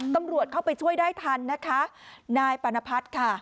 ตำรวจเข้าไปช่วยได้ทันนะคะนายปานพัฒน์ค่ะ